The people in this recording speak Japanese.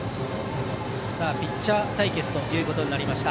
ピッチャー対決となりました。